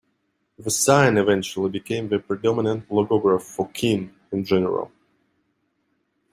The sign eventually became the predominant logograph for "King" in general.